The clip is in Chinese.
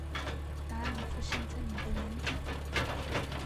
答案浮现在妳眼底